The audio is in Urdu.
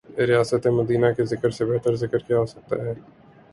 ریاست مدینہ کے ذکر سے بہترذکر کیا ہوسکتاہے۔